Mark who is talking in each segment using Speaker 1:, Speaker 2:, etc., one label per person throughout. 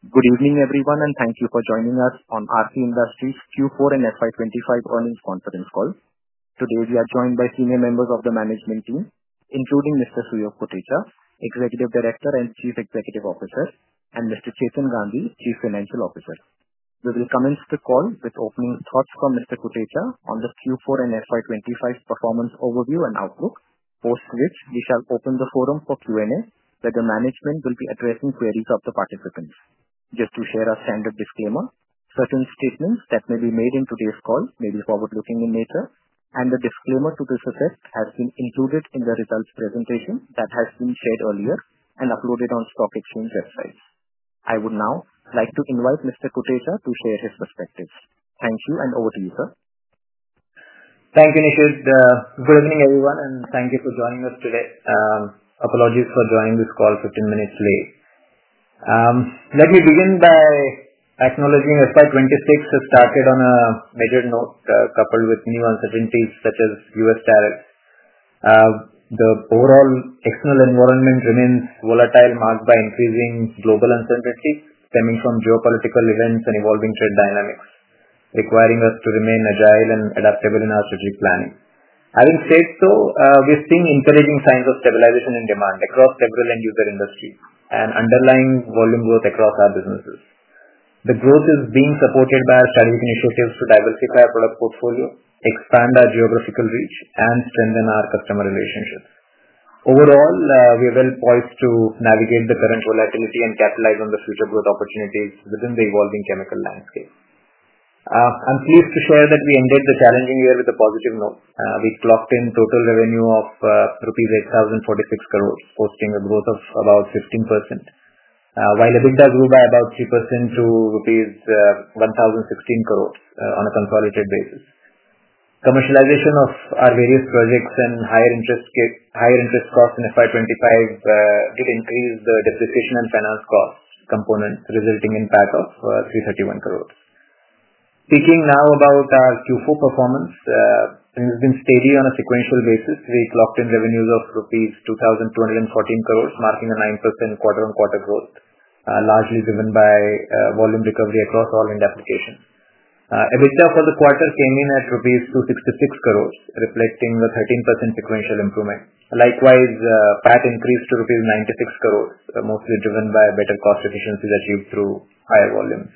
Speaker 1: Good evening, everyone, and thank you for joining us on Aarti Industries Q4 and FY 2025 earnings conference call. Today, we are joined by senior members of the management team, including Mr. Suyog Kotecha, Executive Director and Chief Executive Officer, and Mr. Chetan Gandhi, Chief Financial Officer. We will commence the call with opening thoughts from Mr. Kotecha on the Q4 and FY 2025 performance overview and outlook, post which we shall open the forum for Q&A, where the management will be addressing queries of the participants. Just to share a standard disclaimer, certain statements that may be made in today's call may be forward-looking in nature, and the disclaimer to this effect has been included in the results presentation that has been shared earlier and uploaded on stock exchange websites. I would now like to invite Mr. Kotecha to share his perspectives. Thank you, and over to you, sir.
Speaker 2: Thank you, Nishit. Good evening, everyone, and thank you for joining us today. Apologies for joining this call 15 minutes late. Let me begin by acknowledging FY 2026 has started on a measured note, coupled with new uncertainties such as U.S. tariffs. The overall external environment remains volatile, marked by increasing global uncertainties stemming from geopolitical events and evolving trade dynamics, requiring us to remain agile and adaptable in our strategic planning. Having said so, we're seeing encouraging signs of stabilization in demand across several end-user industries and underlying volume growth across our businesses. The growth is being supported by our strategic initiatives to diversify our product portfolio, expand our geographical reach, and strengthen our customer relationships. Overall, we are well poised to navigate the current volatility and capitalize on the future growth opportunities within the evolving chemical landscape. I'm pleased to share that we ended the challenging year with a positive note. We clocked in total revenue of rupees 8,046 crore, posting a growth of about 15%, while EBITDA grew by about 3% to rupees 1,016 crore on a consolidated basis. Commercialization of our various projects and higher interest costs in FY 2025 did increase the depreciation and finance cost components, resulting in a PAT of 331 crore. Speaking now about our Q4 performance, it has been steady on a sequential basis. We clocked in revenues of rupees 2,214 crore, marking a 9% quarter-on-quarter growth, largely driven by volume recovery across all end applications. EBITDA for the quarter came in at rupees 266 crore, reflecting a 13% sequential improvement. Likewise, PAT increased to rupees 96 crore, mostly driven by better cost efficiencies achieved through higher volumes.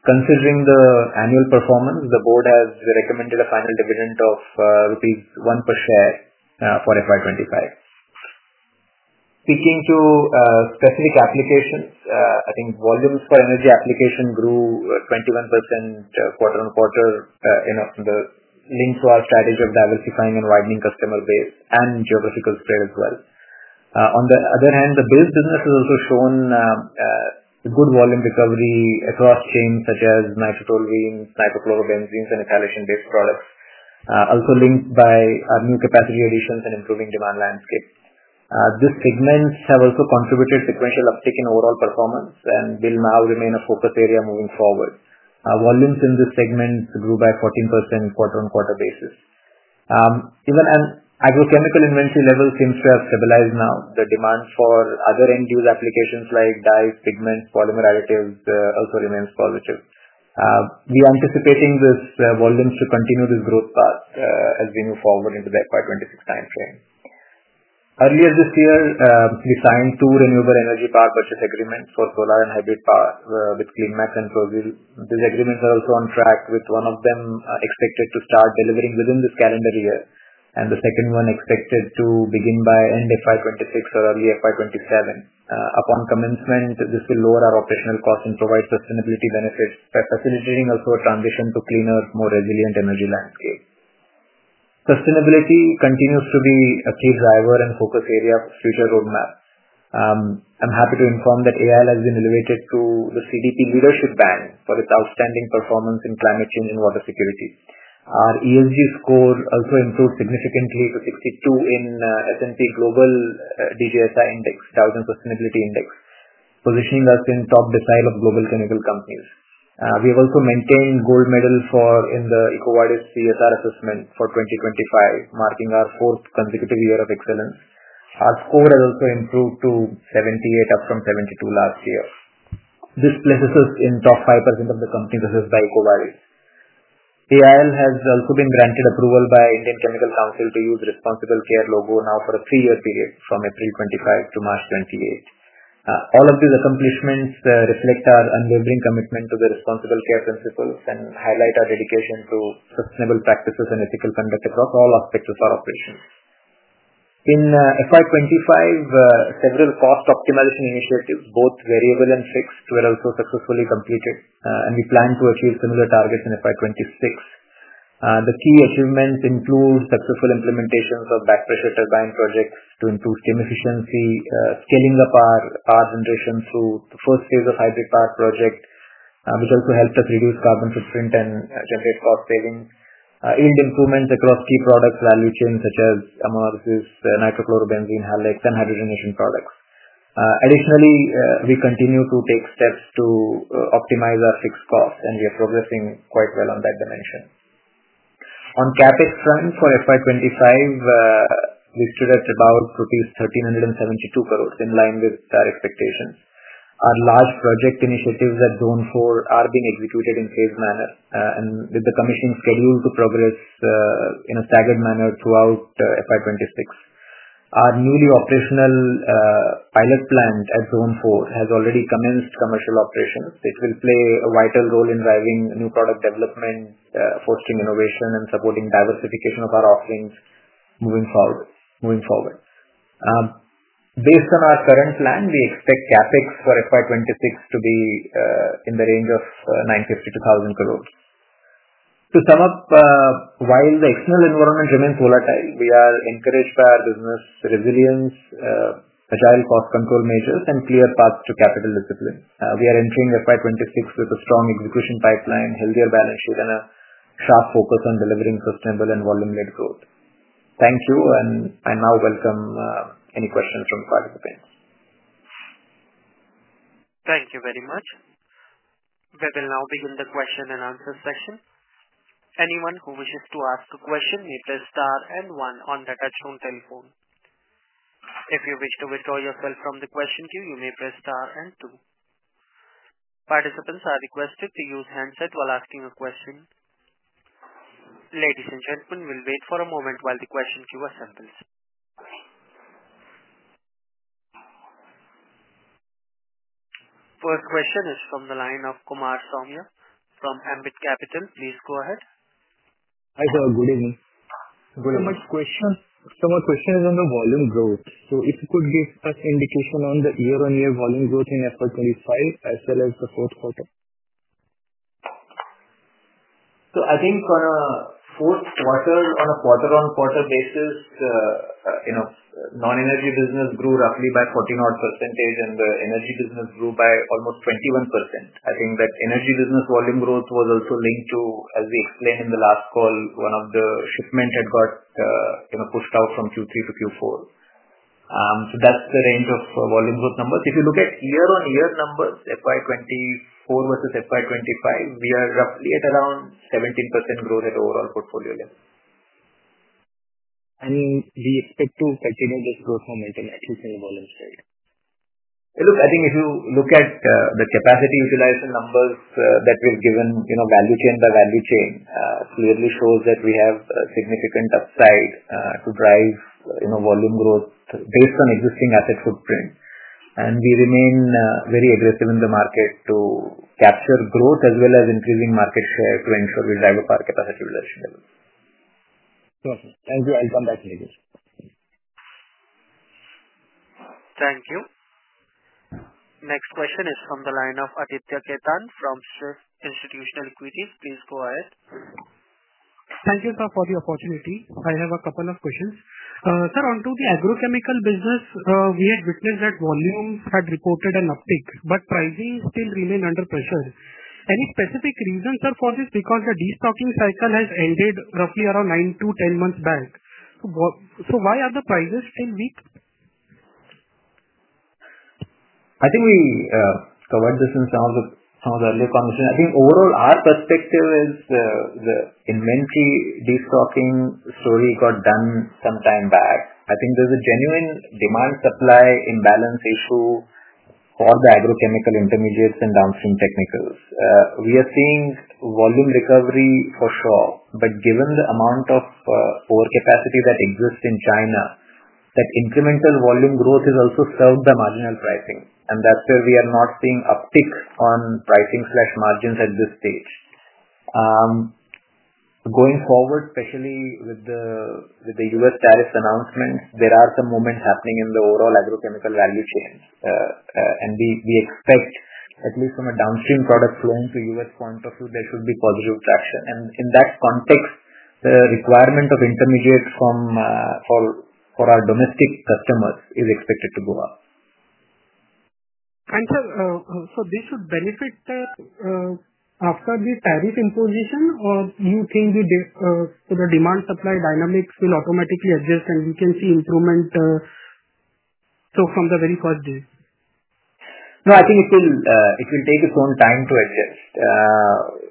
Speaker 2: Considering the annual performance, the board has recommended a final dividend of rupees 1 per share for FY 2025. Speaking to specific applications, I think volumes for energy application grew 21% quarter-on-quarter in the link to our strategy of diversifying and widening customer base and geographical spread as well. On the other hand, the base business has also shown good volume recovery across chains such as nitro toluenes, nitro chloro benzenes, and ethylation-based products, also linked by new capacity additions and improving demand landscape. These segments have also contributed to sequential uptake in overall performance and will now remain a focus area moving forward. Volumes in this segment grew by 14% quarter-on-quarter basis. Even an agrochemical inventory level seems to have stabilized now. The demand for other end-use applications like dyes, pigments, and polymer additives also remains positive. We are anticipating these volumes to continue this growth path as we move forward into the FY 2026 timeframe. Earlier this year, we signed two renewable energy power purchase agreements for solar and hybrid power with Clean Max and Prozeal. These agreements are also on track, with one of them expected to start delivering within this calendar year, and the second one expected to begin by end FY 2026 or early FY 2027. Upon commencement, this will lower our operational costs and provide sustainability benefits, facilitating also a transition to a cleaner, more resilient energy landscape. Sustainability continues to be a key driver and focus area for future roadmaps. I'm happy to inform that AIL has been elevated to the CDP Leadership Bank for its outstanding performance in climate change and water security. Our ESG score also improved significantly to 62 in S&P Global DJSI Index, Dow Jones Sustainability Index, positioning us in the top decile of global chemical companies. We have also maintained a gold medal in the EcoVadis CSR Assessment for 2025, marking our fourth consecutive year of excellence. Our score has also improved to 78, up from 72 last year. This places us in the top 5% of the companies assessed by EcoVadis. AIL has also been granted approval by the Indian Chemical Council to use the Responsible Care logo now for a three-year period from April 2025 to March 2028. All of these accomplishments reflect our unwavering commitment to the Responsible Care principles and highlight our dedication to sustainable practices and ethical conduct across all aspects of our operations. In FY 2025, several cost optimization initiatives, both variable and fixed, were also successfully completed, and we plan to achieve similar targets in FY 2026. The key achievements include successful implementations of backpressure turbine projects to improve steam efficiency, scaling up our power generation through the first phase of the hybrid power project, which also helped us reduce carbon footprint and generate cost savings, and improvements across key product value chains such as ammonious, nitro chloro benzene, halides, and hydrogenation products. Additionally, we continue to take steps to optimize our fixed costs, and we are progressing quite well on that dimension. On the CapEx front for FY 2025, we stood at rupees 1,372 crore, in line with our expectations. Our large project initiatives at Zone IV are being executed in phased manner, with the commissioning scheduled to progress in a staggered manner throughout FY 2026. Our newly operational pilot plant at Zone IV has already commenced commercial operations. It will play a vital role in driving new product development, fostering innovation, and supporting diversification of our offerings moving forward. Based on our current plan, we expect CapEx for FY 2026 to be in the range of 952,000 crore. To sum up, while the external environment remains volatile, we are encouraged by our business resilience, agile cost control measures, and clear paths to capital discipline. We are entering FY 2026 with a strong execution pipeline, a healthier balance sheet, and a sharp focus on delivering sustainable and volume-led growth. Thank you, and I now welcome any questions from the participants.
Speaker 1: Thank you very much. We will now begin the question and answer session. Anyone who wishes to ask a question may press star and one on the touchscreen telephone. If you wish to withdraw yourself from the question queue, you may press star and two. Participants are requested to use handsets while asking a question. Ladies and gentlemen, we'll wait for a moment while the question queue assembles. The first question is from the line of Kumar Saumya from Ambit Capital. Please go ahead.
Speaker 3: Hi, sir. Good evening. Sir, my question is on the volume growth. If you could give us an indication on the year-on-year volume growth in FY 2025 as well as the fourth quarter.
Speaker 2: I think on a fourth quarter, on a quarter-on-quarter basis, non-energy business grew roughly by 14% and the energy business grew by almost 21%. I think that energy business volume growth was also linked to, as we explained in the last call, one of the shipments had got pushed out from Q3 to Q4. That is the range of volume growth numbers. If you look at year-on-year numbers, FY 2024 versus FY 2025, we are roughly at around 17% growth at overall portfolio level.
Speaker 3: We expect to continue this growth momentum, at least in the volume side. Look, I think if you look at the capacity utilization numbers that we've given, value chain by value chain, clearly shows that we have significant upside to drive volume growth based on existing asset footprint. We remain very aggressive in the market to capture growth as well as increasing market share to ensure we drive up our capacity utilization level. Perfect. Thank you. I'll come back later.
Speaker 1: Thank you. Next question is from the line of Aditya Khetan from SMIFS Institutional Equities. Please go ahead.
Speaker 4: Thank you, sir, for the opportunity. I have a couple of questions. Sir, onto the agrochemical business, we had witnessed that volumes had reported an uptick, but pricing still remained under pressure. Any specific reason, sir, for this? Because the destocking cycle has ended roughly around 9-10 months back. Why are the prices still weak?
Speaker 2: I think we covered this in some of the earlier conversations. I think overall, our perspective is the inventory destocking story got done some time back. I think there is a genuine demand-supply imbalance issue for the agrochemical intermediates and downstream technicals. We are seeing volume recovery for sure, but given the amount of overcapacity that exists in China, that incremental volume growth is also served by marginal pricing. That is where we are not seeing uptick on pricing/margins at this stage. Going forward, especially with the US tariffs announcements, there are some moments happening in the overall agrochemical value chain. We expect, at least from a downstream product flowing to U.S. point of view, there should be positive traction. In that context, the requirement of intermediates for our domestic customers is expected to go up.
Speaker 4: Sir, so this would benefit after the tariff imposition, or do you think the demand-supply dynamics will automatically adjust and we can see improvement from the very first day?
Speaker 2: No, I think it will take its own time to adjust.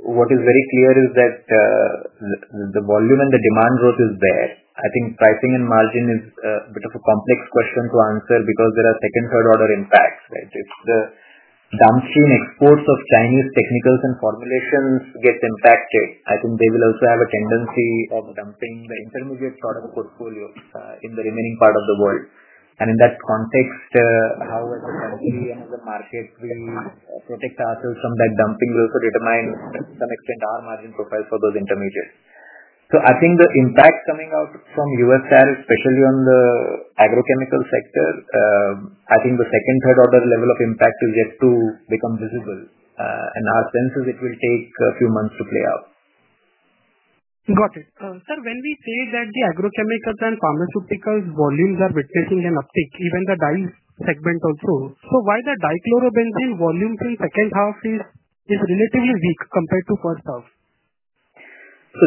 Speaker 2: What is very clear is that the volume and the demand growth is there. I think pricing and margin is a bit of a complex question to answer because there are second, third-order impacts. If the downstream exports of Chinese technicals and formulations get impacted, I think they will also have a tendency of dumping the intermediate product portfolio in the remaining part of the world. In that context, how as a country and as a market, we protect ourselves from that dumping will also determine to some extent our margin profile for those intermediates. I think the impact coming out from U.S. tariffs, especially on the agrochemical sector, the second, third-order level of impact is yet to become visible. Our sense is it will take a few months to play out.
Speaker 4: Got it. Sir, when we say that the agrochemicals and pharmaceuticals volumes are witnessing an uptick, even the dyes segment also, why is the dichlorobenzene volume in the second half relatively weak compared to the first half?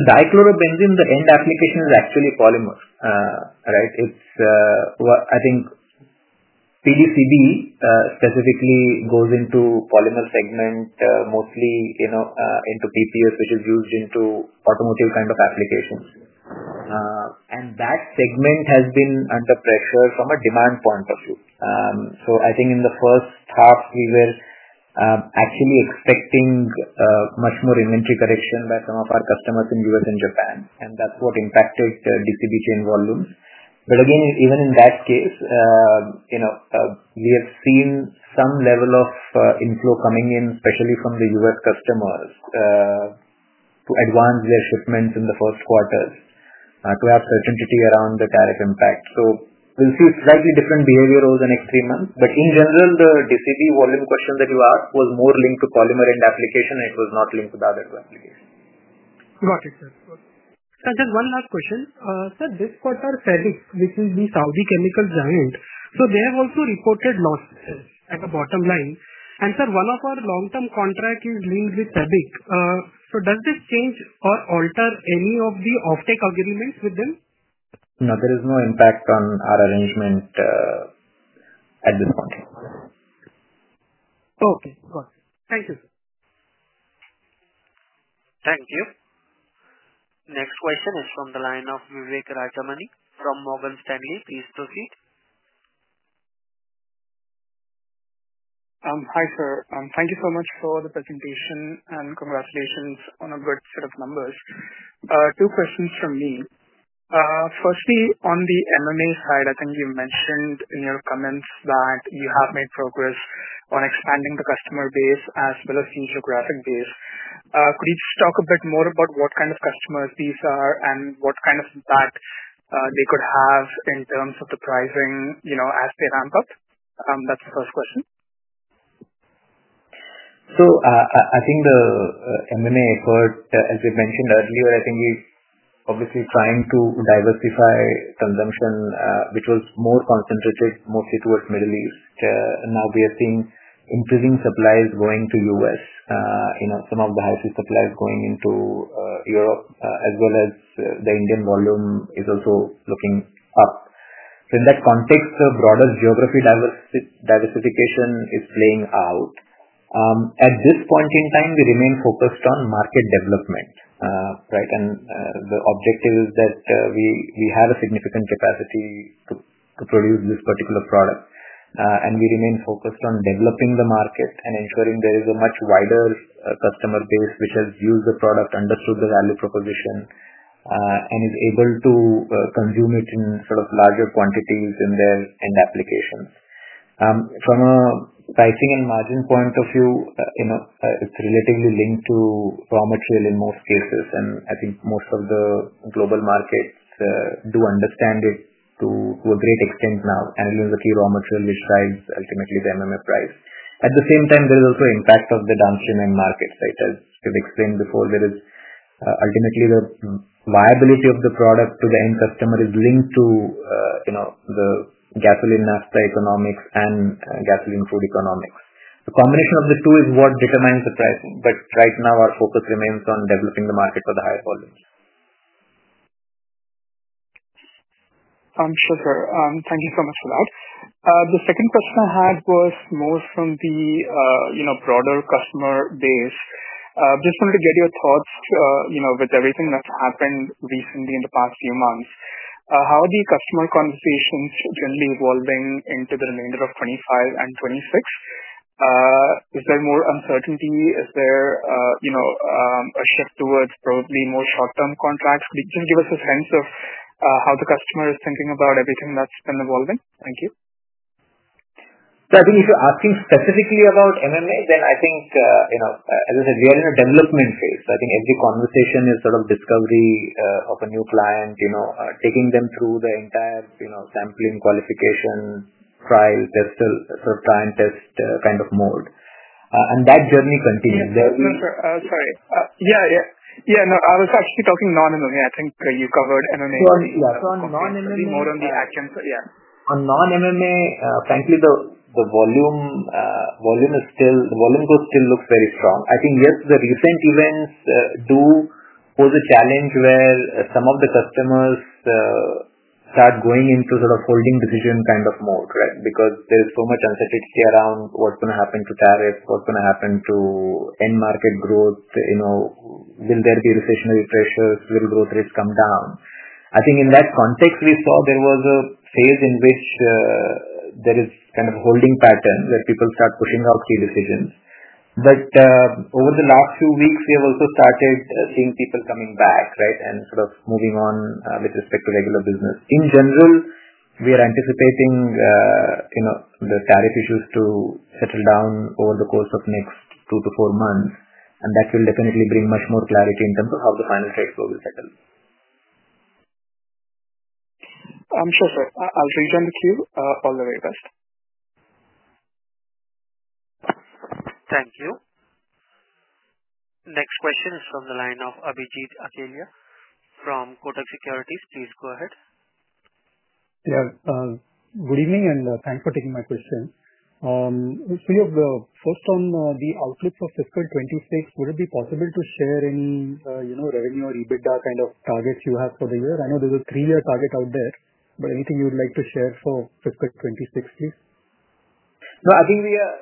Speaker 2: Dichlorobenzene, the end application, is actually polymer. I think PDCB specifically goes into the polymer segment, mostly into PPF, which is used in automotive kind of applications. That segment has been under pressure from a demand point of view. I think in the first half, we were actually expecting much more inventory correction by some of our customers in the U.S. and Japan. That is what impacted the DCB chain volumes. Again, even in that case, we have seen some level of inflow coming in, especially from the U.S. customers, to advance their shipments in the first quarters to have certainty around the tariff impact. We will see slightly different behavior over the next three months. In general, the DCB volume question that you asked was more linked to polymer end application, and it was not linked to the other two applications.
Speaker 4: Got it, sir. Sir, just one last question. Sir, this quarter, SABIC, which is the Saudi chemical giant, so they have also reported losses at the bottom line. Sir, one of our long-term contracts is linked with SABIC. Does this change or alter any of the offtake agreements with them?
Speaker 2: No, there is no impact on our arrangement at this point.
Speaker 4: Okay. Got it. Thank you, sir.
Speaker 1: Thank you. Next question is from the line of Vivek Rajamani from Morgan Stanley. Please proceed.
Speaker 5: Hi, sir. Thank you so much for the presentation, and congratulations on a good set of numbers. Two questions from me. Firstly, on the MMA side, I think you mentioned in your comments that you have made progress on expanding the customer base as well as the geographic base. Could you just talk a bit more about what kind of customers these are and what kind of impact they could have in terms of the pricing as they ramp up? That's the first question.
Speaker 2: I think the MMA effort, as we mentioned earlier, I think we're obviously trying to diversify consumption, which was more concentrated mostly towards the Middle East. Now we are seeing increasing supplies going to the US, some of the high-speed supplies going into Europe, as well as the Indian volume is also looking up. In that context, the broader geography diversification is playing out. At this point in time, we remain focused on market development. The objective is that we have a significant capacity to produce this particular product. We remain focused on developing the market and ensuring there is a much wider customer base which has used the product, understood the value proposition, and is able to consume it in sort of larger quantities in their end applications. From a pricing and margin point of view, it's relatively linked to raw material in most cases. I think most of the global markets do understand it to a great extent now. It is the key raw material which drives ultimately the MMA price. At the same time, there is also an impact of the downstream end market. As we've explained before, ultimately, the viability of the product to the end customer is linked to the gasoline-naphtha economics and gasoline-feed economics. The combination of the two is what determines the pricing. Right now, our focus remains on developing the market for the higher volumes.
Speaker 5: Sure, sir. Thank you so much for that. The second question I had was more from the broader customer base. I just wanted to get your thoughts with everything that's happened recently in the past few months. How are the customer conversations generally evolving into the remainder of 2025 and 2026? Is there more uncertainty? Is there a shift towards probably more short-term contracts? Could you just give us a sense of how the customer is thinking about everything that's been evolving? Thank you.
Speaker 2: I think if you're asking specifically about MMA, then I think, as I said, we are in a development phase. I think every conversation is sort of discovery of a new client, taking them through the entire sampling, qualification, trial, test sort of try-and-test kind of mode. That journey continues.
Speaker 5: No, sir. Sorry. Yeah. Yeah. No, I was actually talking non-MMA. I think you covered MMA.
Speaker 2: Sure. Yeah. On non-MMA, maybe more on the actions. Yeah. On non-MMA, frankly, the volume growth still looks very strong. I think, yes, the recent events do pose a challenge where some of the customers start going into sort of holding decision kind of mode because there is so much uncertainty around what's going to happen to tariffs, what's going to happen to end market growth, will there be recessionary pressures, will growth rates come down. I think in that context, we saw there was a phase in which there is kind of a holding pattern where people start pushing out key decisions. Over the last few weeks, we have also started seeing people coming back and sort of moving on with respect to regular business. In general, we are anticipating the tariff issues to settle down over the course of the next two to four months. That will definitely bring much more clarity in terms of how the final trade flow will settle.
Speaker 5: Sure, sir. I'll return the queue. All the way best.
Speaker 1: Thank you. Next question is from the line of Abhijit Akella from Kotak Securities. Please go ahead.
Speaker 6: Yeah. Good evening, and thanks for taking my question. First, on the outlook for fiscal 2026, would it be possible to share any revenue or EBITDA kind of targets you have for the year? I know there is a three-year target out there. But anything you would like to share for fiscal 2026, please?
Speaker 2: No, I think we are,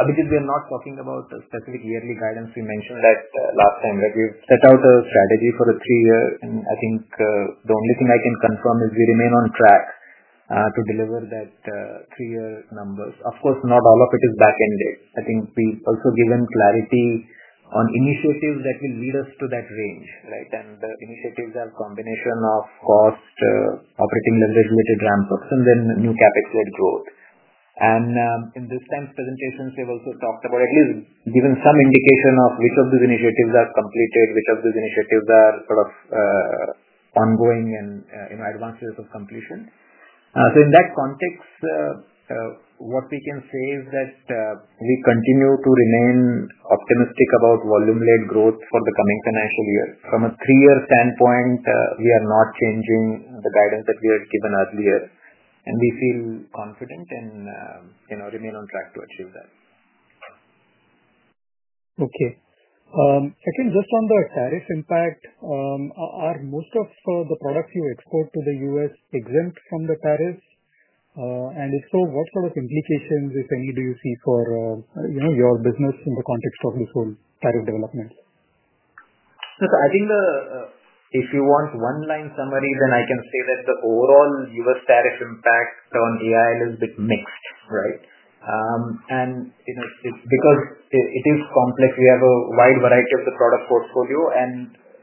Speaker 2: Abhijit, we are not talking about specific yearly guidance. We mentioned that last time. We've set out a strategy for a three-year. I think the only thing I can confirm is we remain on track to deliver that three-year numbers. Of course, not all of it is back-ended. I think we've also given clarity on initiatives that will lead us to that range. The initiatives are a combination of cost, operating leverage-related ramp-ups, and then new capex-led growth. In this time's presentations, we have also talked about, at least given some indication of which of these initiatives are completed, which of these initiatives are sort of ongoing and advanced years of completion. In that context, what we can say is that we continue to remain optimistic about volume-led growth for the coming financial year. From a three-year standpoint, we are not changing the guidance that we had given earlier. We feel confident and remain on track to achieve that.
Speaker 6: Okay. Second, just on the tariff impact, are most of the products you export to the U.S. exempt from the tariffs? If so, what sort of implications, if any, do you see for your business in the context of this whole tariff development?
Speaker 2: I think if you want one-line summary, then I can say that the overall U.S. tariff impact on AIL is a bit mixed. Because it is complex, we have a wide variety of the product portfolio.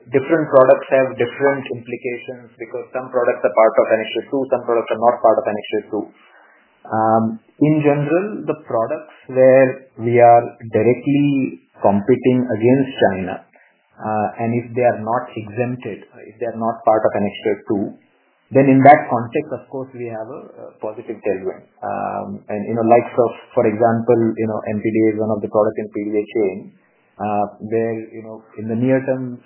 Speaker 2: Different products have different implications because some products are part of Annexure-2, some products are not part of Annexure-2. In general, the products where we are directly competing against China, and if they are not exempted, if they are not part of Annexure-2, then in that context, of course, we have a positive tailwind. Likes of, for example, NPD is one of the products in the PDA chain where in the near term,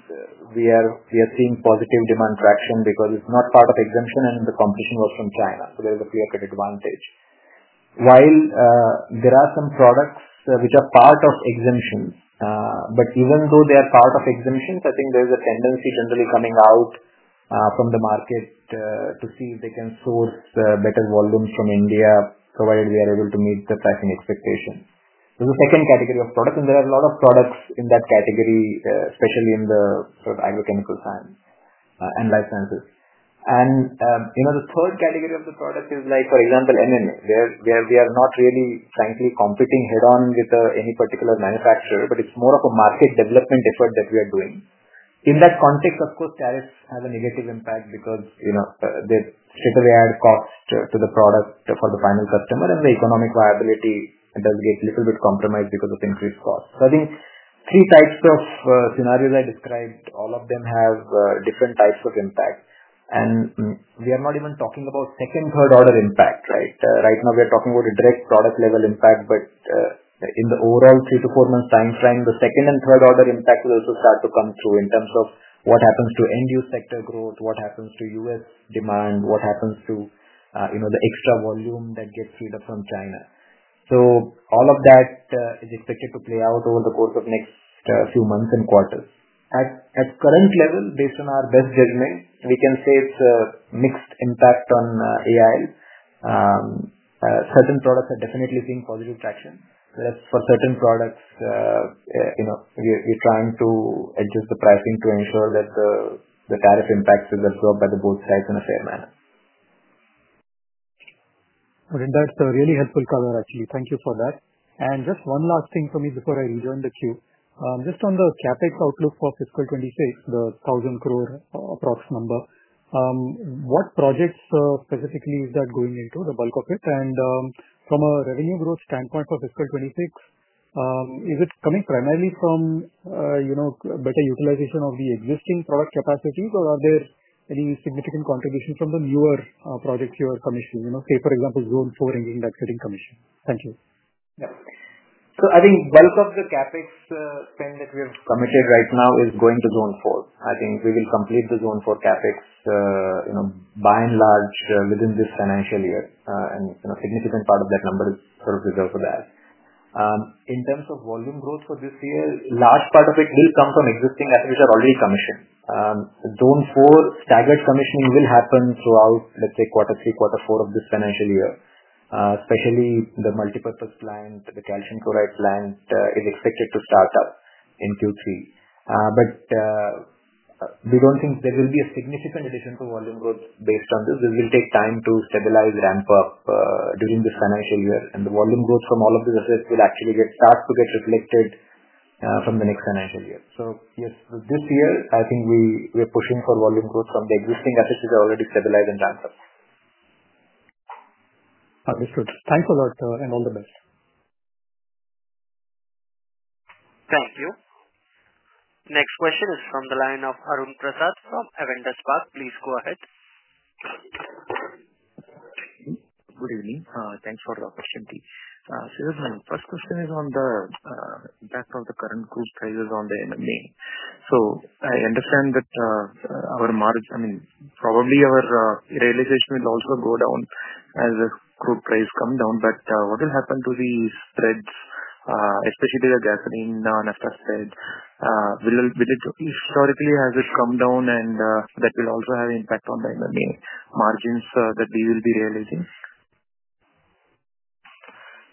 Speaker 2: we are seeing positive demand traction because it is not part of exemption and the competition was from China. There is a clear-cut advantage. While there are some products which are part of exemptions, but even though they are part of exemptions, I think there is a tendency generally coming out from the market to see if they can source better volumes from India, provided we are able to meet the pricing expectations. There is a second category of products, and there are a lot of products in that category, especially in the sort of agrochemical science and life sciences. The third category of the product is, for example, MMA, where we are not really, frankly, competing head-on with any particular manufacturer, but it is more of a market development effort that we are doing. In that context, of course, tariffs have a negative impact because they straightaway add cost to the product for the final customer, and the economic viability does get a little bit compromised because of increased costs. I think three types of scenarios I described, all of them have different types of impact. We are not even talking about second, third-order impact. Right now, we are talking about a direct product-level impact. In the overall three to four-month time frame, the second and third-order impact will also start to come through in terms of what happens to end-use sector growth, what happens to U.S. demand, what happens to the extra volume that gets freed up from China. All of that is expected to play out over the course of the next few months and quarters. At current level, based on our best judgment, we can say it's a mixed impact on AIL. Certain products are definitely seeing positive traction. Whereas for certain products, we're trying to adjust the pricing to ensure that the tariff impact is absorbed by both sides in a fair manner.
Speaker 6: That's a really helpful color, actually. Thank you for that. Just one last thing for me before I rejoin the queue. Just on the CapEx outlook for fiscal 2026, the 1,000 crore approximate number, what projects specifically is that going into, the bulk of it? From a revenue growth standpoint for fiscal 2026, is it coming primarily from better utilization of the existing product capacities, or are there any significant contributions from the newer projects you are commissioning? Say, for example, Zone IV engine that's getting commissioned. Thank you.
Speaker 2: Yeah. So I think bulk of the capex spend that we have committed right now is going to Zone IV. I think we will complete the Zone IV CapEx by and large within this financial year. And a significant part of that number is sort of reserved for that. In terms of volume growth for this year, a large part of it will come from existing assets which are already commissioned. Zone IV staggered commissioning will happen throughout, let's say, quarter three, quarter four of this financial year, especially the multi-purpose plant, the calcium chloride plant is expected to start up in Q3. We do not think there will be a significant addition to volume growth based on this. It will take time to stabilize, ramp up during this financial year. The volume growth from all of these assets will actually start to get reflected from the next financial year. Yes, this year, I think we are pushing for volume growth from the existing assets which are already stabilized and ramped up.
Speaker 6: Understood. Thanks a lot, and all the best.
Speaker 1: Thank you. Next question is from the line of Arun Prasath from Avendus Spark. Please go ahead.
Speaker 7: Good evening. Thanks for the opportunity. My first question is on the impact of the current crude prices on the MMA. I understand that our margin, I mean, probably our realization will also go down as the crude price comes down. What will happen to the spreads, especially the gasoline-naphtha spread? Historically, has it come down? That will also have an impact on the MMA margins that we will be realizing?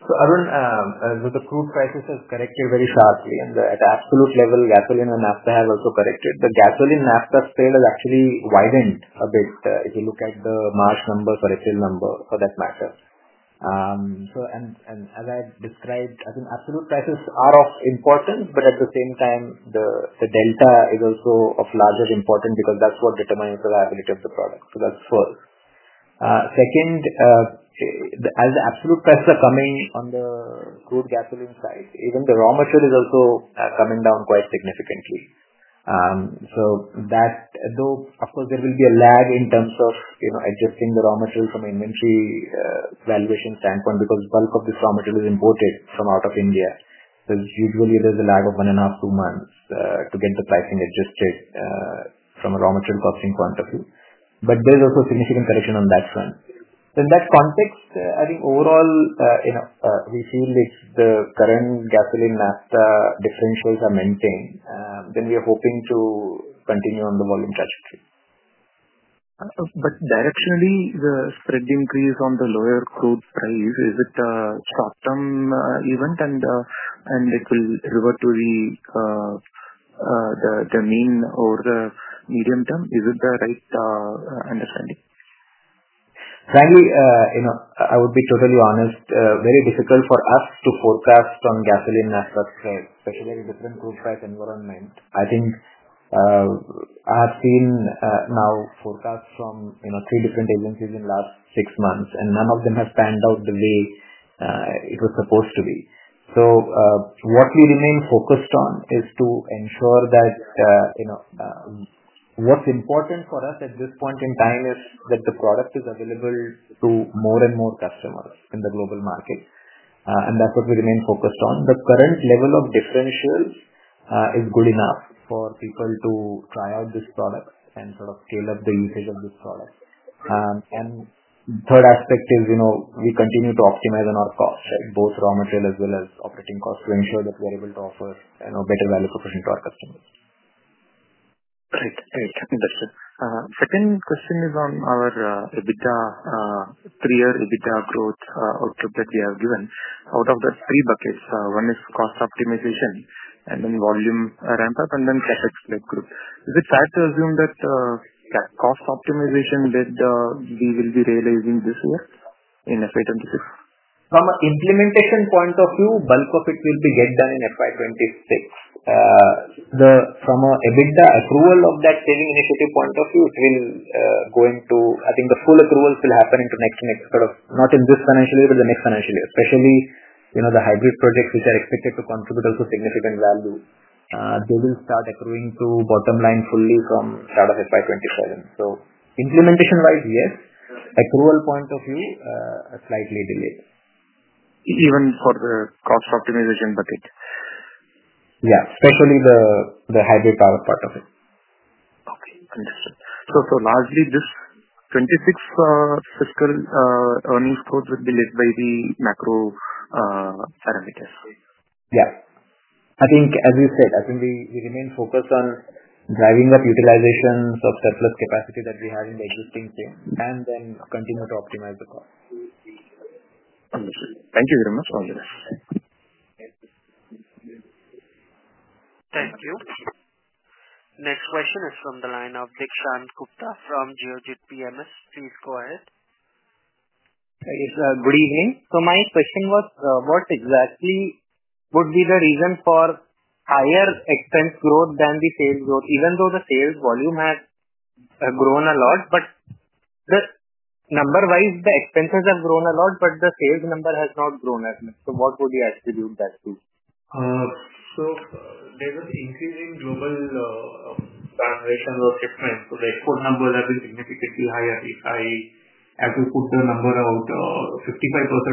Speaker 2: Arun, the crude prices have corrected very sharply. At absolute level, gasoline and naphtha have also corrected. The gasoline-naphtha spread has actually widened a bit if you look at the March number, sorry, sale number, for that matter. As I described, I think absolute prices are of importance, but at the same time, the delta is also of larger importance because that is what determines the viability of the product. That is first. Second, as the absolute prices are coming on the crude gasoline side, even the raw material is also coming down quite significantly. Though, of course, there will be a lag in terms of adjusting the raw material from an inventory valuation standpoint because bulk of this raw material is imported from out of India. Usually, there's a lag of one and a half, two months to get the pricing adjusted from a raw material costing point of view. There is also significant correction on that front. In that context, I think overall, we feel the current gasoline-naphtha differentials are maintained. We are hoping to continue on the volume trajectory.
Speaker 7: Directionally, the spread increase on the lower crude price, is it a short-term event, and it will revert to the mean or the medium term? Is it the right understanding?
Speaker 2: Frankly, I would be totally honest, very difficult for us to forecast on gasoline-naphtha spread, especially in a different crude price environment. I think I have seen now forecasts from three different agencies in the last six months, and none of them have panned out the way it was supposed to be. What we remain focused on is to ensure that what's important for us at this point in time is that the product is available to more and more customers in the global market. That is what we remain focused on. The current level of differentials is good enough for people to try out this product and sort of scale up the usage of this product. The third aspect is we continue to optimize on our costs, both raw material as well as operating costs, to ensure that we are able to offer better value proposition to our customers.
Speaker 7: Great. Thank you. Understood. Second question is on our EBITDA, three-year EBITDA growth outlook that you have given. Out of the three buckets, one is cost optimization and then volume ramp-up and then CapEx-led growth. Is it fair to assume that cost optimization that we will be realizing this year in FY 2026?
Speaker 2: From an implementation point of view, bulk of it will be getting done in FY 2026. From an EBITDA accrual of that saving initiative point of view, it will go into, I think, the full accrual will happen into next and next sort of not in this financial year, but the next financial year, especially the hybrid projects which are expected to contribute also significant value. They will start accruing to bottom line fully from start of FY 2027. Implementation-wise, yes. Accrual point of view, slightly delayed.
Speaker 7: Even for the cost optimization bucket?
Speaker 2: Yeah. Especially the hybrid power part of it.
Speaker 7: Okay. Understood. So largely, this 2026 fiscal earnings growth will be led by the macro parameters?
Speaker 2: Yeah. I think, as you said, I think we remain focused on driving up utilization of surplus capacity that we have in the existing chain and then continue to optimize the cost.
Speaker 7: Understood. Thank you very much for all yours.
Speaker 1: Thank you. Next question is from the line of [Deekshant Gupta] from GeojitPMS. Please go ahead. Yes. Good evening. My question was, what exactly would be the reason for higher expense growth than the sales growth, even though the sales volume has grown a lot? Number-wise, the expenses have grown a lot, but the sales number has not grown as much. What would you attribute that to?
Speaker 8: There is an increase in global valuation of shipments. The export numbers have been significantly higher. If I have to put the number out, 55%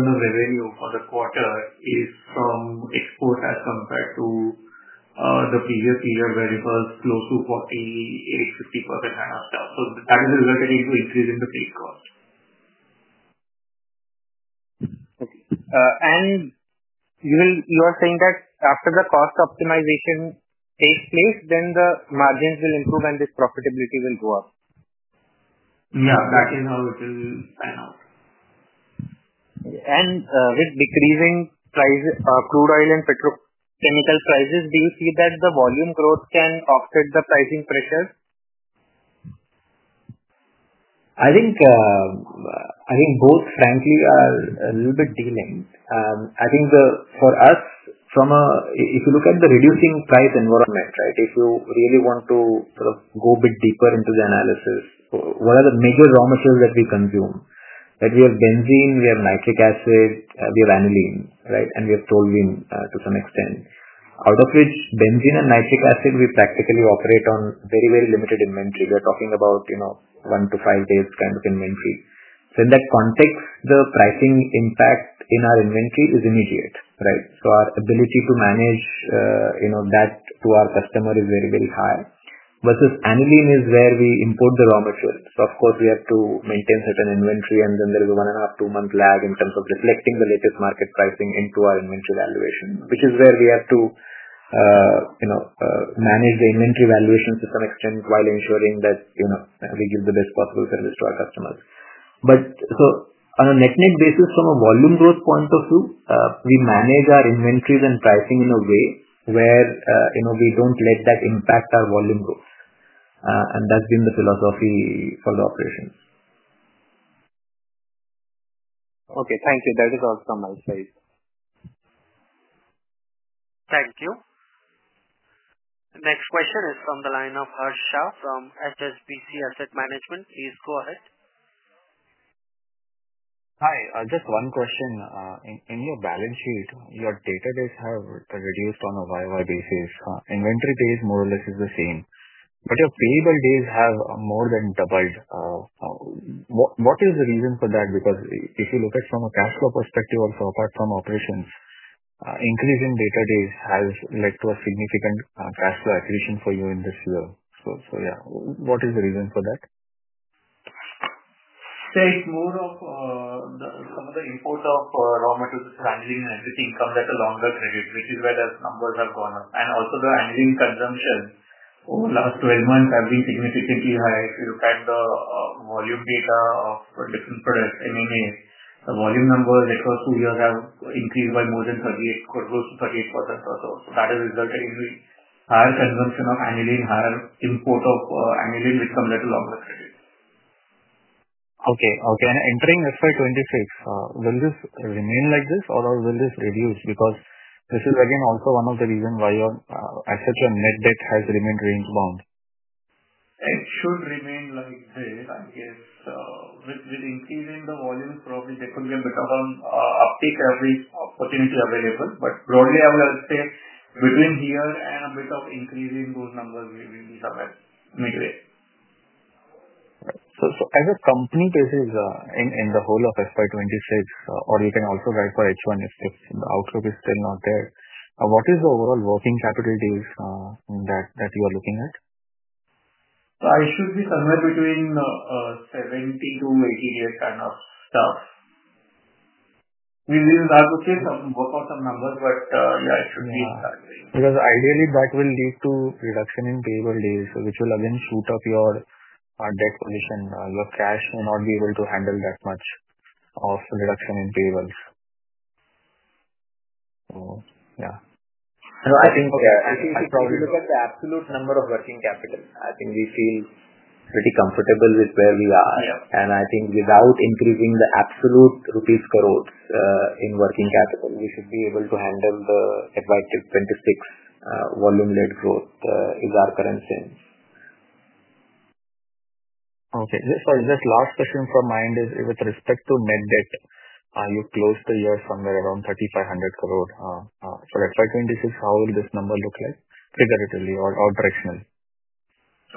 Speaker 8: of revenue for the quarter is from exports as compared to the previous year where it was close to 48%-50% kind of stuff. That is resulting into increasing the fleet cost. Okay. You are saying that after the cost optimization takes place, then the margins will improve and the profitability will go up? Yeah. That is how it will pan out. With decreasing crude oil and petrochemical prices, do you see that the volume growth can offset the pricing pressure?
Speaker 2: I think both, frankly, are a little bit delayed. I think for us, if you look at the reducing price environment, right, if you really want to sort of go a bit deeper into the analysis, what are the major raw materials that we consume? We have benzene, we have nitric acid, we have aniline, right, and we have toluene to some extent. Out of which, benzene and nitric acid, we practically operate on very, very limited inventory. We are talking about one- to five-day kind of inventory. In that context, the pricing impact in our inventory is immediate, right? Our ability to manage that to our customer is very, very high. Versus aniline is where we import the raw material. Of course, we have to maintain certain inventory, and then there is a one and a half, two-month lag in terms of reflecting the latest market pricing into our inventory valuation, which is where we have to manage the inventory valuation to some extent while ensuring that we give the best possible service to our customers. On a net-net basis, from a volume growth point of view, we manage our inventories and pricing in a way where we do not let that impact our volume growth. That has been the philosophy for the operations. Okay. Thank you. That is all from my side.
Speaker 1: Thank you. Next question is from the line of Harsh Shah from HSBC Asset Management. Please go ahead.
Speaker 9: Hi. Just one question. In your balance sheet, your debtor days have reduced on a year-on-year basis. Inventory days more or less is the same. But your payable days have more than doubled. What is the reason for that? Because if you look at it from a cash flow perspective, also apart from operations, increase in debtor days has led to a significant cash flow accretion for you in this year. Yeah, what is the reason for that?
Speaker 8: Say, more of some of the import of raw material, which is aniline and everything, comes at a longer credit, which is where the numbers have gone up. Also, the aniline consumption over the last 12 months has been significantly higher. If you look at the volume data of different products, MMA, the volume numbers the first two years have increased by more than 38%, close to 38% or so. That has resulted in higher consumption of aniline, higher import of aniline, which comes at a longer credit.
Speaker 9: Okay. Okay. Entering FY 2026, will this remain like this, or will this reduce? Because this is, again, also one of the reasons why your assets and net debt has remained range-bound.
Speaker 8: It should remain like this. I guess with increasing the volume, probably there could be a bit of an uptick every opportunity available. Broadly, I would say between here and a bit of increase in those numbers, we will be somewhere midway.
Speaker 9: Right. As a company basis in the whole of FY 2026, or you can also write for H1 if the outlook is still not there, what is the overall working capital days that you are looking at?
Speaker 8: I should be somewhere between 70 days-80 days kind of stuff. I mean, we will work out some numbers, but yeah, it should be in that range.
Speaker 9: Because ideally, that will lead to reduction in payable days, which will again shoot up your debt position. Your cash may not be able to handle that much of reduction in payables. So yeah.
Speaker 2: No, I think you should probably look at the absolute number of working capital. I think we feel pretty comfortable with where we are. I think without increasing the absolute rupees crore in working capital, we should be able to handle the FY 2026 volume-led growth is our current sense.
Speaker 9: Okay. Sorry, just last question from my end is with respect to net debt, you closed the year somewhere around 3,500 crore. For FY 2026, how will this number look like figuratively or directionally?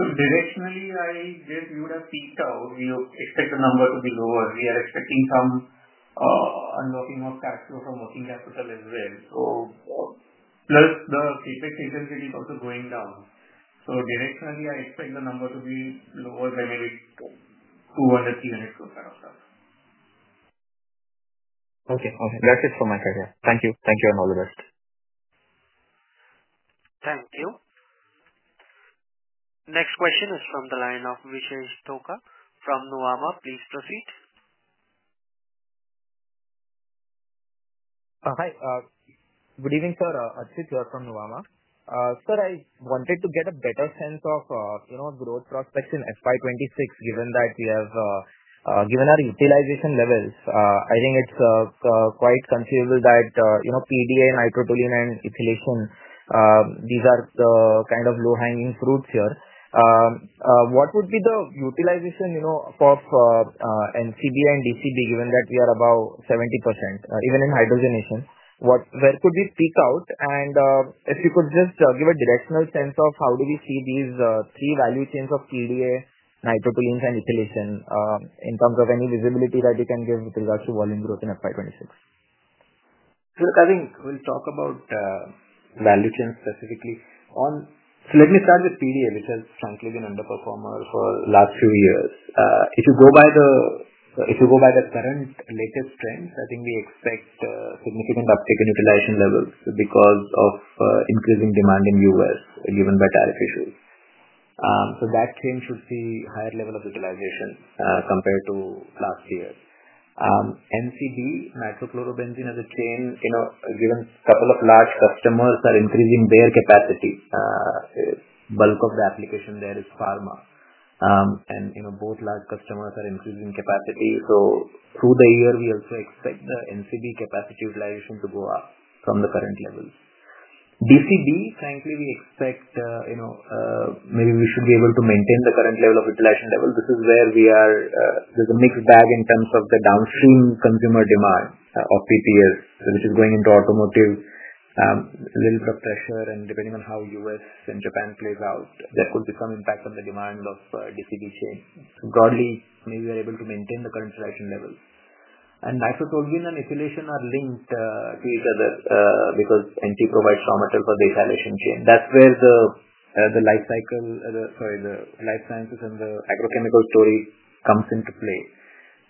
Speaker 8: Directionally, I guess we would have peaked out. We expect the number to be lower. We are expecting some unlocking of cash flow from working capital as well. Plus the CapEx agency is also going down. Directionally, I expect the number to be lower by maybe 200 crore-300 crore kind of stuff.
Speaker 9: Okay. Okay. That's it from my side, yeah. Thank you. Thank you and all the best.
Speaker 1: Thank you. Next question is from the line of Vijay [Sthoka] from Nuvama. Please proceed.
Speaker 10: Hi. Good evening, sir. Archit, you are from Nuvama. Sir, I wanted to get a better sense of growth prospects in FY 2026 given that we have given our utilization levels. I think it's quite conceivable that PDA, nitro toluene, and ethylation, these are the kind of low-hanging fruits here. What would be the utilization of NCB and DCB given that we are about 70%, even in hydrogenation? Where could we peak out? If you could just give a directional sense of how do we see these three value chains of PDA, nitro toluenes, and ethylation in terms of any visibility that you can give with regards to volume growth in FY 2026?
Speaker 2: Look, I think we'll talk about value chains specifically. Let me start with PDA, which has frankly been an underperformer for the last few years. If you go by the current latest trends, I think we expect significant uptick in utilization levels because of increasing demand in the U.S. given by tariff issues. That chain should see a higher level of utilization compared to last year. NCB, nitrochlorobenzene as a chain, given a couple of large customers are increasing their capacity. Bulk of the application there is pharma. Both large customers are increasing capacity. Through the year, we also expect the NCB capacity utilization to go up from the current levels. DCB, frankly, we expect maybe we should be able to maintain the current level of utilization level. This is where we are. There's a mixed bag in terms of the downstream consumer demand of PPS, which is going into automotive, a little bit of pressure. Depending on how U.S. and Japan plays out, there could be some impact on the demand of DCB chain. Broadly, maybe we are able to maintain the current selection levels. Nitro toluene and ethylation are linked to each other because NT provides raw material for the ethylation chain. That's where the life cycle, sorry, the life sciences and the agrochemical story comes into play.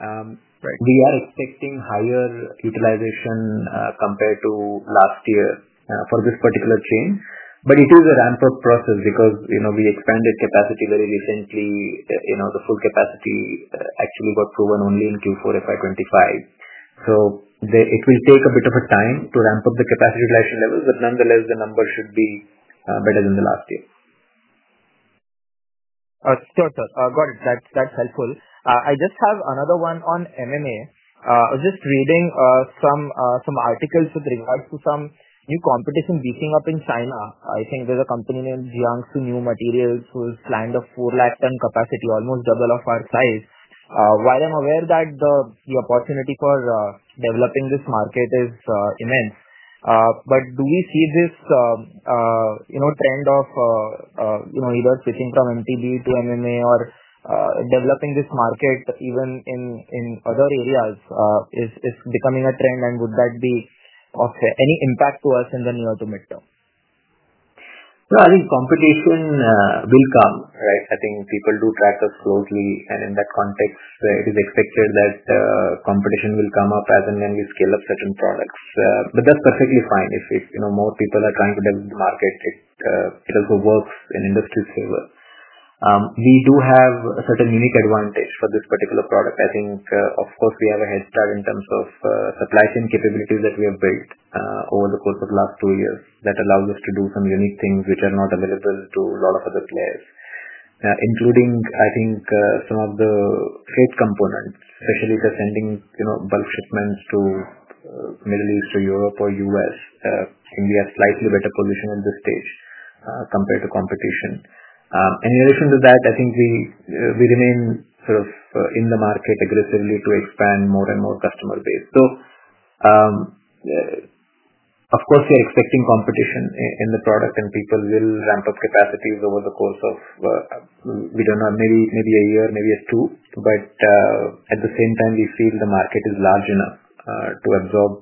Speaker 2: We are expecting higher utilization compared to last year for this particular chain. It is a ramp-up process because we expanded capacity very recently. The full capacity actually got proven only in Q4 FY 2025. It will take a bit of a time to ramp up the capacity utilization levels, but nonetheless, the numbers should be better than the last year.
Speaker 10: Sure, sir. Got it. That's helpful. I just have another one on MMA. I was just reading some articles with regards to some new competition beefing up in China. I think there's a company named Jiangsu New Materials who has planned a 400,000 ton capacity, almost double of our size. While I'm aware that the opportunity for developing this market is immense, do we see this trend of either switching from MTB to MMA or developing this market even in other areas is becoming a trend? Would that be of any impact to us in the near to midterm?
Speaker 2: No, I think competition will come, right? I think people do track us closely. In that context, it is expected that competition will come up as and when we scale up certain products. That is perfectly fine. If more people are trying to develop the market, it also works in industry's favor. We do have a certain unique advantage for this particular product. I think, of course, we have a head start in terms of supply chain capabilities that we have built over the course of the last two years that allows us to do some unique things which are not available to a lot of other players, including, I think, some of the freight components, especially for sending bulk shipments to the Middle East, to Europe, or U.S. I think we have slightly better position at this stage compared to competition. In addition to that, I think we remain sort of in the market aggressively to expand more and more customer base. Of course, we are expecting competition in the product, and people will ramp up capacities over the course of, we do not know, maybe a year, maybe two. At the same time, we feel the market is large enough to absorb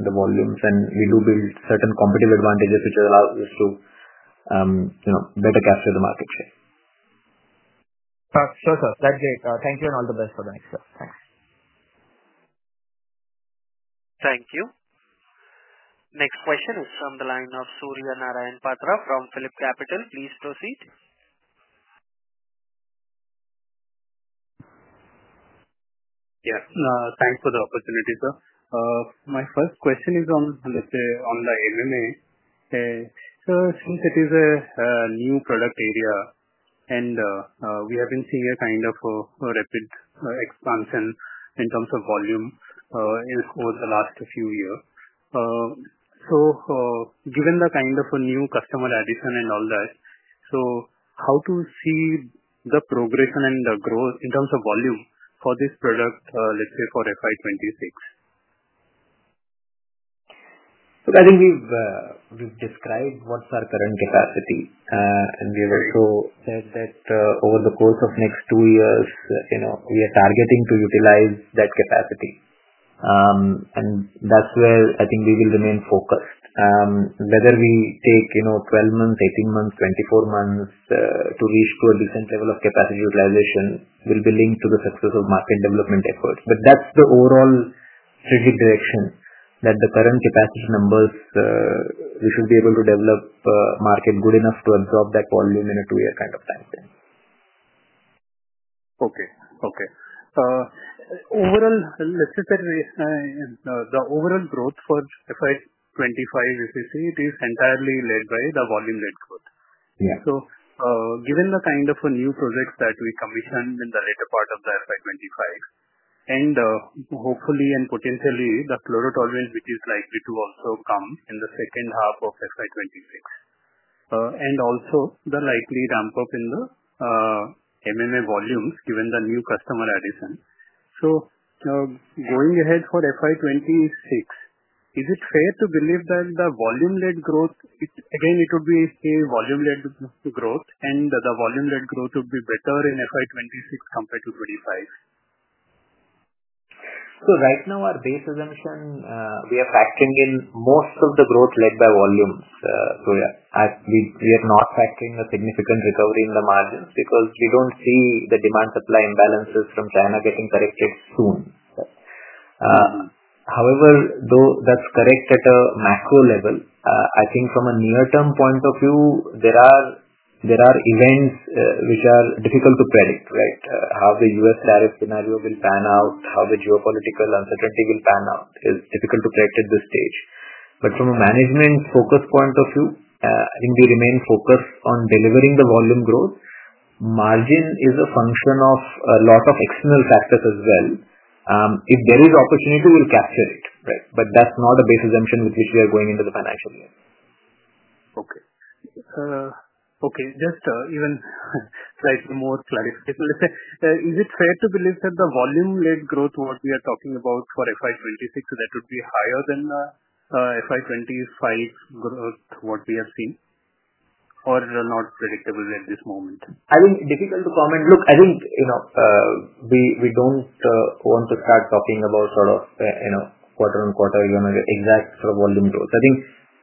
Speaker 2: the volumes. We do build certain competitive advantages, which allows us to better capture the market share.
Speaker 10: Sure, sir. That's great. Thank you and all the best for the next step. Thanks.
Speaker 1: Thank you. Next question is from the line of Surya Narayan Patra from PhillipCapital. Please proceed.
Speaker 11: Yeah. Thanks for the opportunity, sir. My first question is on, let's say, on the MMA. Since it is a new product area, and we have been seeing a kind of rapid expansion in terms of volume over the last few years. Given the kind of new customer addition and all that, how to see the progression and the growth in terms of volume for this product, let's say, for FY 2026?
Speaker 2: Look, I think we've described what's our current capacity. We have also said that over the course of the next two years, we are targeting to utilize that capacity. That's where I think we will remain focused. Whether we take 12 months, 18 months, 24 months to reach to a decent level of capacity utilization will be linked to the success of market development efforts. That's the overall strategic direction that the current capacity numbers, we should be able to develop market good enough to absorb that volume in a two-year kind of time frame.
Speaker 11: Okay. Okay. Overall, let's just say the overall growth for FY 2025, as you say, it is entirely led by the volume-led growth. Given the kind of new projects that we commissioned in the later part of FY 2025, and hopefully and potentially the chlorotoluene, which is likely to also come in the second half of FY 2026, and also the likely ramp-up in the MMA volumes given the new customer addition. Going ahead for FY 2026, is it fair to believe that the volume-led growth, again, it would be a volume-led growth, and the volume-led growth would be better in FY 2026 compared to FY 2025?
Speaker 2: Right now, our base assumption, we are factoring in most of the growth led by volumes. Yeah, we are not factoring a significant recovery in the margins because we do not see the demand-supply imbalances from China getting corrected soon. However, though that is correct at a macro level, I think from a near-term point of view, there are events which are difficult to predict, right? How the U.S. tariff scenario will pan out, how the geopolitical uncertainty will pan out is difficult to predict at this stage. From a management focus point of view, I think we remain focused on delivering the volume growth. Margin is a function of a lot of external factors as well. If there is opportunity, we will capture it, right? That is not a base assumption with which we are going into the financial year.
Speaker 11: Okay. Okay. Just even to add some more clarification, let's say, is it fair to believe that the volume-led growth, what we are talking about for FY 2026, that would be higher than the FY 2025 growth, what we have seen? Or not predictable at this moment?
Speaker 2: I think difficult to comment. Look, I think we don't want to start talking about sort of quarter on quarter, you want to get exact sort of volume growth. I think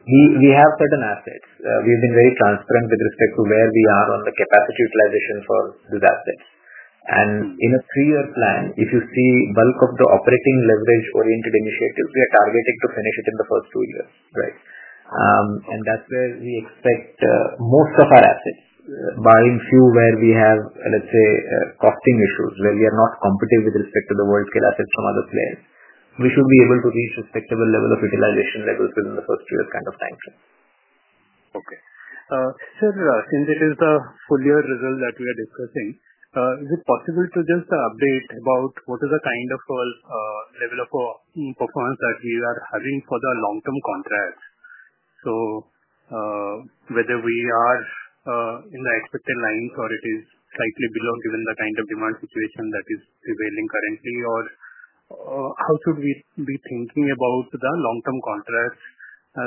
Speaker 2: we have certain assets. We've been very transparent with respect to where we are on the capacity utilization for these assets. In a three-year plan, if you see, bulk of the operating leverage-oriented initiatives, we are targeting to finish it in the first two years, right? That's where we expect most of our assets, barring few where we have, let's say, costing issues where we are not competitive with respect to the world-scale assets from other players, we should be able to reach respectable level of utilization levels within the first two years kind of time frame.
Speaker 11: Okay. Sir, since it is the full-year result that we are discussing, is it possible to just update about what is the kind of level of performance that we are having for the long-term contracts? So whether we are in the expected lines or it is slightly below given the kind of demand situation that is prevailing currently, or how should we be thinking about the long-term contracts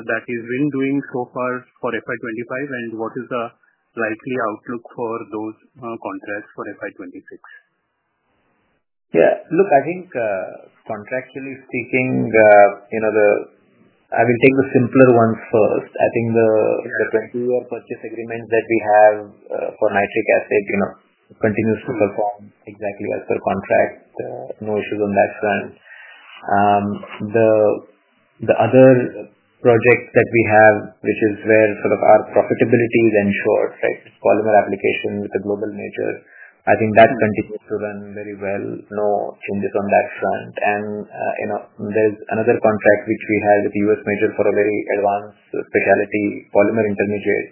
Speaker 11: that we've been doing so far for FY 2025, and what is the likely outlook for those contracts for FY 2026?
Speaker 2: Yeah. Look, I think contractually speaking, I will take the simpler ones first. I think the 20-year purchase agreement that we have for nitric acid continues to perform exactly as per contract. No issues on that front. The other project that we have, which is where sort of our profitability is ensured, right? It is polymer application with the global major. I think that continues to run very well. No changes on that front. There is another contract which we have with the U.S. major for a very advanced specialty, polymer intermediate,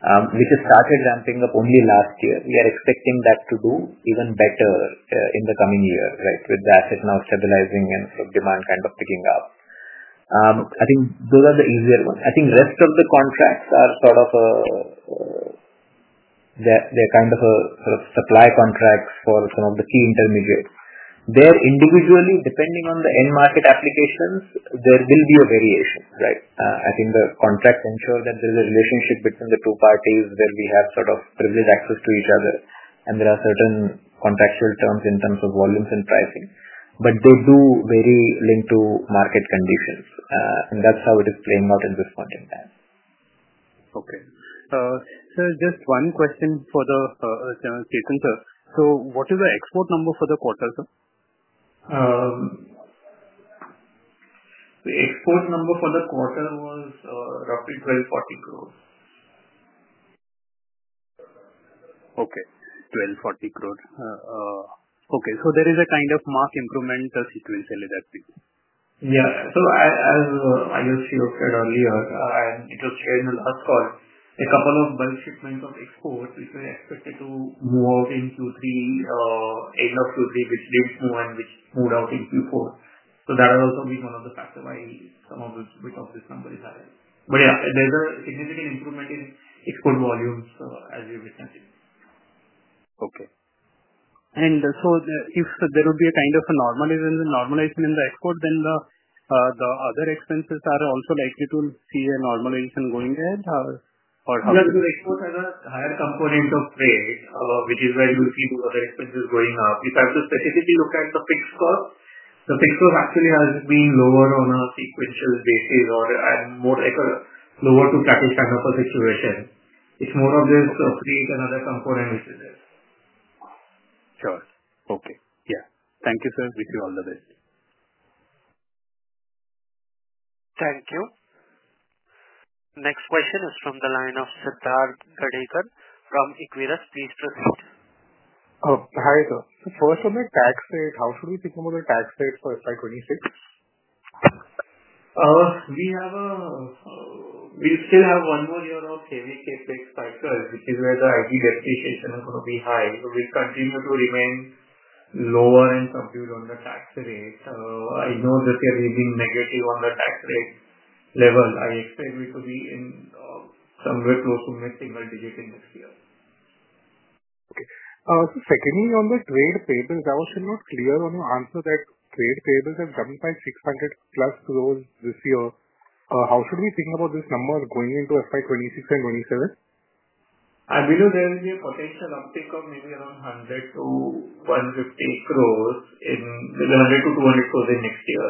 Speaker 2: which has started ramping up only last year. We are expecting that to do even better in the coming year, right, with the asset now stabilizing and demand kind of picking up. I think those are the easier ones. I think rest of the contracts are sort of, they're kind of sort of supply contracts for some of the key intermediates. There, individually, depending on the end market applications, there will be a variation, right? I think the contracts ensure that there is a relationship between the two parties where we have sort of privileged access to each other. There are certain contractual terms in terms of volumes and pricing. They do very much link to market conditions. That is how it is playing out at this point in time.
Speaker 11: Okay. Sir, just one question for Chetan sir. What is the export number for the quarter, sir?
Speaker 8: The export number for the quarter was roughly 1,240 crore.
Speaker 11: Okay. 1,240 crore. Okay. So there is a kind of marked improvement. Sequence, say, let that be.
Speaker 8: Yeah. As I just showed earlier, and it was shared in the last call, a couple of bulk shipments of export, which were expected to move out in Q3, end of Q3, which did not move and which moved out in Q4. That has also been one of the factors why some of these numbers are higher. Yeah, there is a significant improvement in export volumes, as you have mentioned.
Speaker 11: Okay. If there would be a kind of a normalization in the export, then the other expenses are also likely to see a normalization going ahead? Or how?
Speaker 8: Yeah. Exports are a higher component of trade, which is why you'll see those other expenses going up. If I have to specifically look at the fixed cost, the fixed cost actually has been lower on a sequential basis or more lower to package kind of a situation. It's more of this freight and other components in this.
Speaker 11: Sure. Okay. Yeah. Thank you, sir. Wish you all the best.
Speaker 1: Thank you. Next question is from the line of Siddharth Gadekar from Equirus. Please proceed.
Speaker 12: Hi, sir. So first on the tax rate, how should we think about the tax rate for FY 2026?
Speaker 8: We still have one more year of heavy CapEx cycles, which is where the IT depreciation is going to be high. So we continue to remain lower and compute on the tax rate. I know that we have been negative on the tax rate level. I expect it to be somewhere close to my single digit in next year.
Speaker 12: Okay. So secondly, on the trade tables, I was not clear on your answer that trade tables have jumped by 600+ crore this year. How should we think about this number going into FY 2026 and FY 2027?
Speaker 8: I believe there will be a potential uptick of maybe around 100-150 crore, maybe 100-200 crore in next year,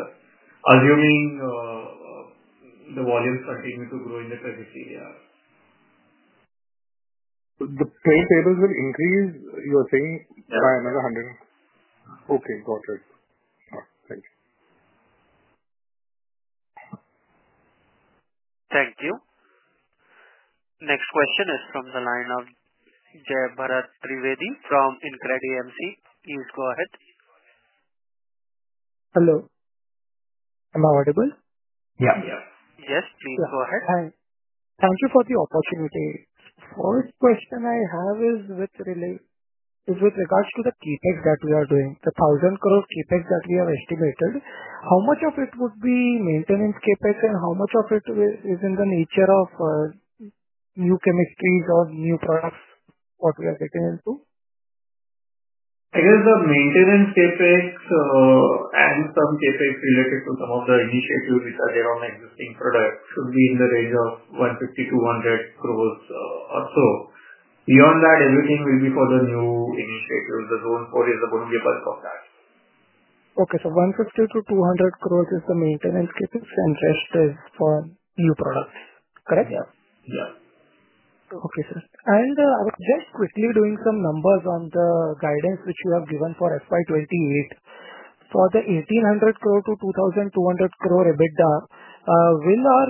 Speaker 8: assuming the volumes continue to grow in the trajectory they are.
Speaker 12: The trade tables will increase, you're saying, by another 100?
Speaker 8: Yes.
Speaker 12: Okay. Got it. Thank you.
Speaker 1: Thank you. Next question is from the line of Jay Bharat Trivedi from Incredi MC. Please go ahead.
Speaker 13: Hello. Am I audible?
Speaker 8: Yeah. Yes. Yes. Please go ahead.
Speaker 13: Thank you for the opportunity. First question I have is with regards to the CapEx that we are doing, the 1,000 crore CapEx that we have estimated, how much of it would be maintenance CapEx, and how much of it is in the nature of new chemistries or new products what we are getting into?
Speaker 8: I guess the maintenance CapEx and some CapEx related to some of the initiatives which are there on the existing product should be in the range of 150 crore-200 crore or so. Beyond that, everything will be for the new initiatives. The Zone IV is going to be a bulk of that.
Speaker 13: Okay. So 150-200 crore is the maintenance CapEx, and rest is for new products. Correct?
Speaker 8: Yeah. Yeah.
Speaker 13: Okay, sir. I was just quickly doing some numbers on the guidance which you have given for FY 2028. For the 1,800 crore-2,200 crore EBITDA, will our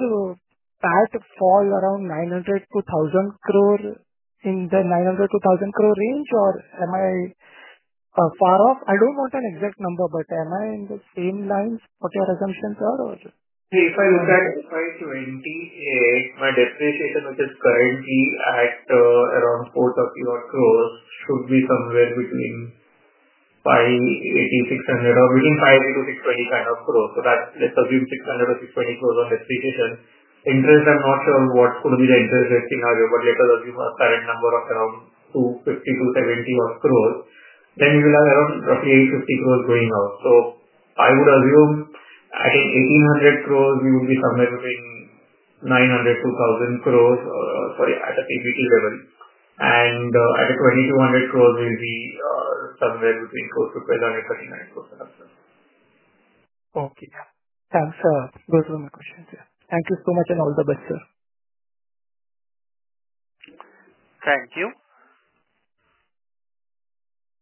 Speaker 13: PAT fall around 900 crore-1,000 crore, in the 900 crore-1,000 crore range, or am I far off? I do not want an exact number, but am I in the same lines? What are your assumptions there, or?
Speaker 8: If I look at FY 2028, my depreciation, which is currently at around 400 crore, should be somewhere between 580-600 crore, or between 580 crore-620 crore kind of crores. Let's assume 600 crore-620 crore on depreciation. Interest, I'm not sure what's going to be the interest rate scenario, but let us assume a current number of around 250 crore-270 crore. Then we will have around roughly 850 crore going out. I would assume at 1,800 crore, we would be somewhere between 900 crore-1,000 crore, sorry, at a PBT level. At 2,200 crore, we'll be somewhere between close to 1,200 crore-1,300 crore and up.
Speaker 13: Okay. Thanks, sir. Those were my questions. Thank you so much and all the best, sir.
Speaker 1: Thank you.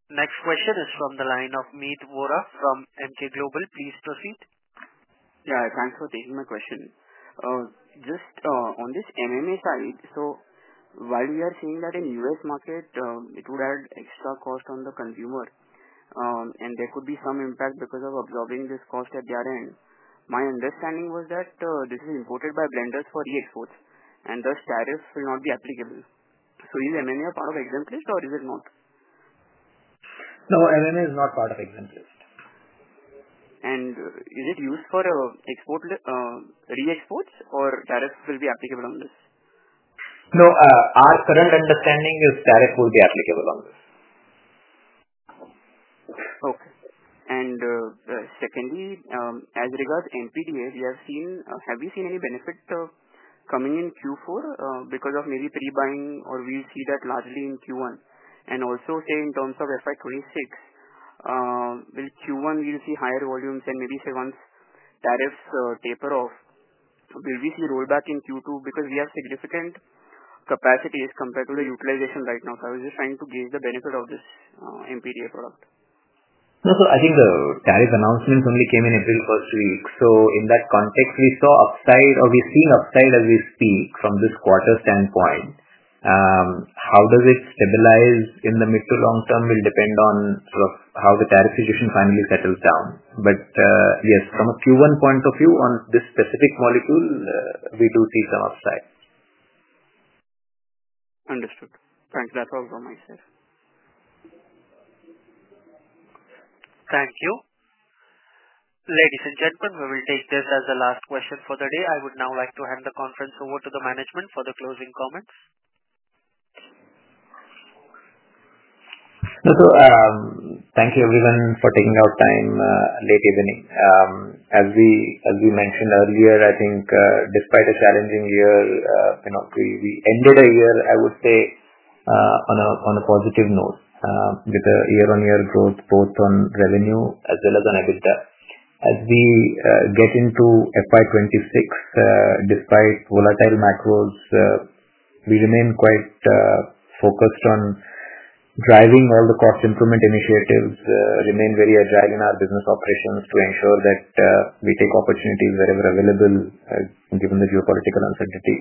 Speaker 1: Next question is from the line of Meet Vora from Emkay Global. Please proceed.
Speaker 14: Yeah. Thanks for taking my question. Just on this MMA side, so while we are seeing that in the U.S. market, it would add extra cost on the consumer, and there could be some impact because of absorbing this cost at their end. My understanding was that this is imported by blenders for re-exports, and thus tariffs will not be applicable. So is MMA a part of exemplist, or is it not?
Speaker 2: No, MMA is not part of exemplist.
Speaker 14: Is it used for re-exports, or tariffs will be applicable on this?
Speaker 2: No, our current understanding is tariff will be applicable on this.
Speaker 14: Okay. Secondly, as regards NPD, have we seen any benefit coming in Q4 because of maybe pre-buying, or will we see that largely in Q1? Also, in terms of FY 2026, will Q1 see higher volumes, and maybe once tariffs taper off, will we see a rollback in Q2 because we have significant capacities compared to the utilization right now? I was just trying to gauge the benefit of this NPD product.
Speaker 2: No, so I think the tariff announcements only came in April first week. In that context, we saw upside—or we are seeing upside as we speak from this quarter standpoint. How it stabilizes in the mid to long term will depend on how the tariff situation finally settles down. Yes, from a Q1 point of view, on this specific molecule, we do see some upside.
Speaker 14: Understood. Thanks. That's all from my side.
Speaker 1: Thank you. Ladies and gentlemen, we will take this as the last question for the day. I would now like to hand the conference over to the management for the closing comments.
Speaker 2: No, so thank you, everyone, for taking our time late evening. As we mentioned earlier, I think despite a challenging year, we ended a year, I would say, on a positive note with a year-on-year growth, both on revenue as well as on EBITDA. As we get into FY 2026, despite volatile macros, we remain quite focused on driving all the cost improvement initiatives, remain very agile in our business operations to ensure that we take opportunities wherever available, given the geopolitical uncertainty.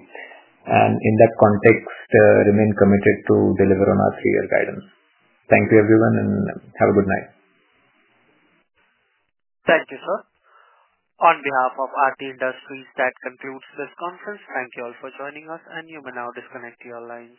Speaker 2: In that context, remain committed to deliver on our three-year guidance. Thank you, everyone, and have a good night.
Speaker 1: Thank you, sir. On behalf of Aarti Industries, that concludes this conference. Thank you all for joining us, and you may now disconnect your lines.